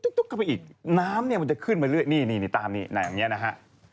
แล้วก็แคบอีกน้ำมันจะขึ้นมาเรื่อยนี่นี่ตามนี้อย่างนี้นะฮะ